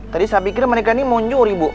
tadi saya pikir mereka ini muncuri bu